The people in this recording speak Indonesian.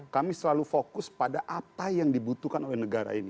kami selalu fokus pada apa yang dibutuhkan oleh negara ini